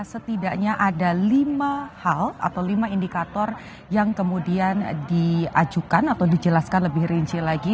setidaknya ada lima hal atau lima indikator yang kemudian diajukan atau dijelaskan lebih rinci lagi